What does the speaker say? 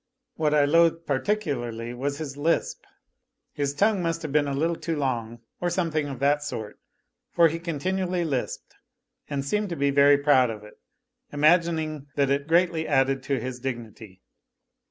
What I loathed particularly was his lisp. His tongue must have been a little too long or something of that sort, for ho continually lisped, and seemed to be very proud of it, imagining that it greatly added to his dignity.